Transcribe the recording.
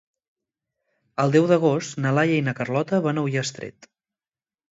El deu d'agost na Laia i na Carlota van a Ullastret.